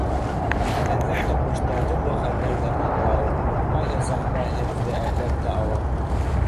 Беҙҙең тормошта төрлө хәлдәр ҙә булғылай: ҡайһы саҡта һеҙҙе әрләп тә алам.